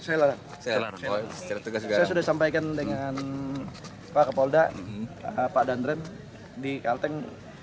saya sudah sampaikan dengan pak kapolda pak dandren di kalteng